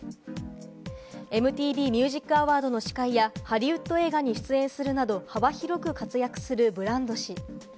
ＭＴＶミュージックアワードの司会やハリウッド映画に出演するなど幅広く活躍するブランド氏。